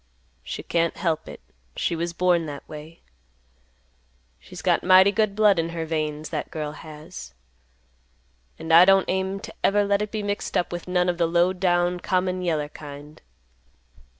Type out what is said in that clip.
She can't help it. She was born that way. She's got mighty good blood in her veins, that girl has; and I don't aim to ever let it be mixed up with none of the low down common yeller kind."